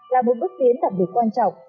là một bước tiến tạm biệt quan trọng